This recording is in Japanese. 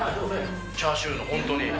チャーシューの、本当に。